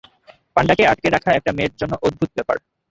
পান্ডাকে আঁটকে রাখা একটা মেয়ের জন্য অদ্ভূত ব্যাপার।